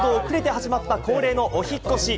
およそ２か月ほど遅れて始まった恒例のお引越し。